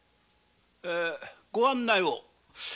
ご案内を。